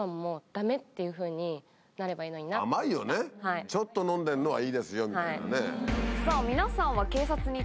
甘いよねちょっと飲んでんのはいいですよみたいなね。